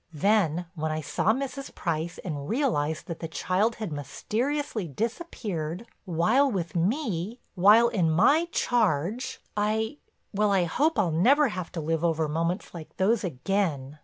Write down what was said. Then, when I saw Mrs. Price and realized that the child had mysteriously disappeared, while with me, while in my charge—I—well, I hope I'll never have to live over moments like those again.